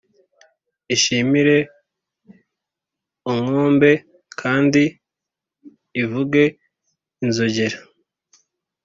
ishimire o nkombe, kandi uvuge inzogera!